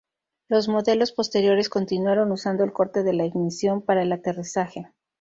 Los modelos posteriores continuaron usando el corte de la ignición para el aterrizaje.